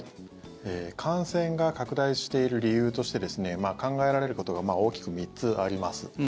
感染が拡大している理由として考えられることが大きく３つあります。